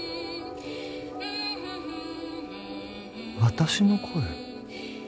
私の声？